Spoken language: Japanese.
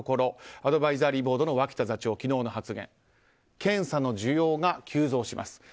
アドバイザリーボードの脇田座長の昨日の発言検査の需要が急増します。